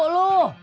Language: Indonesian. tidur mulu pak aji